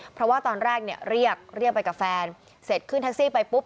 เพราะว่าตอนแรกเนี่ยเรียกเรียกไปกับแฟนเสร็จขึ้นแท็กซี่ไปปุ๊บ